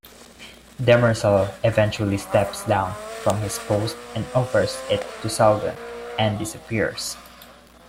Demerzel eventually steps down from his post and offers it to Seldon, and disappears.